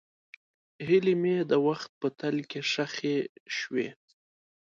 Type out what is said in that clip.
هیلې مې د وخت په تل کې ښخې شوې.